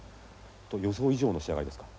予想以上の仕上がりですか？